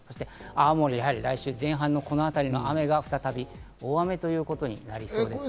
青森、やはり来週前半のこのあたりの雨が再び大雨ということになりそうです。